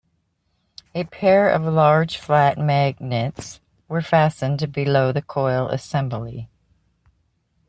A pair of large flat magnets were fastened below the coil assembly.